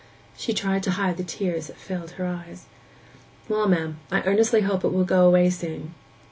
She tried to hide the tears that filled her eyes. 'Well, ma'am, I earnestly hope it will go away soon.